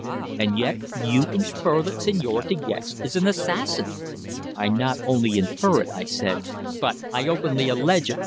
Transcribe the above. And yet you infer that Señor De Gex is an assassin!" "I not only infer it," I said, "but I openly allege it!"